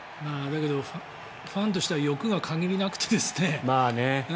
だけどファンとしては欲が限りなくてですね